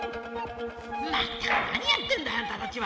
まったく何やってるんだいあんたたちは。